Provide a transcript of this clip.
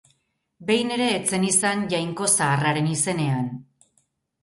Behin ere ez zen izan, Jainko zaharraren izenean.